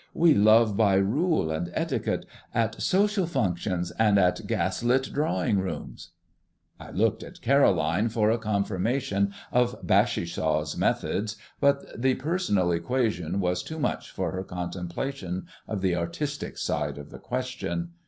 We love by rule and etiquette, at social functions and in gas lit drawing rooms." I looked at Caroline for a confirmation of Bassishaw's methods, but the personal equation was too much for her contemplation of the artistic side of the question.